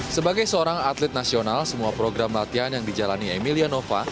sebagai seorang atlet nasional semua program latihan yang dijalani emilia nova